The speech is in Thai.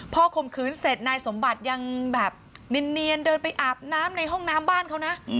พอข่มขืนเสร็จนายสมบัติยังแบบเนียนเดินไปอาบน้ำในห้องน้ำบ้านเขานะ